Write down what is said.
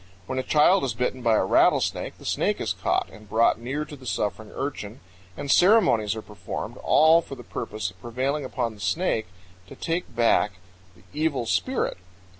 When a child is bitten by a rattlesnake the snake is caught and brought near to the suffering urchin, and ceremonies are performed, all for the purpose of prevailing upon the snake to take back the evil spirit.